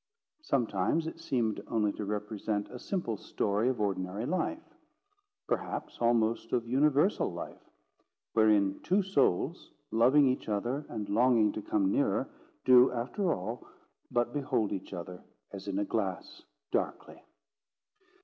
Sometimes it seemed only to represent a simple story of ordinary life, perhaps almost of universal life; wherein two souls, loving each other and longing to come nearer, do, after all, but behold each other as in a glass darkly.